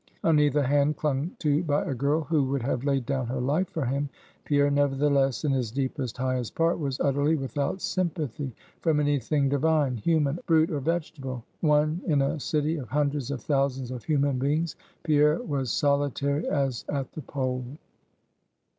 On either hand clung to by a girl who would have laid down her life for him; Pierre, nevertheless, in his deepest, highest part, was utterly without sympathy from any thing divine, human, brute, or vegetable. One in a city of hundreds of thousands of human beings, Pierre was solitary as at the Pole.